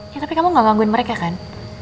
ya tapi kamu gak gangguin mereka kan